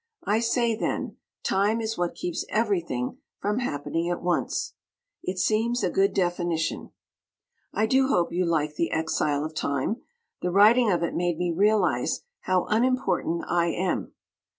I say, then, "Time is what keeps everything from happening at once." It seems a good definition. I do hope you like "The Exile of Time." The writing of it made me realize how unimportant I am.